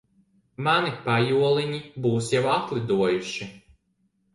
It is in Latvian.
Mani pajoliņi būs jau atlidojuši.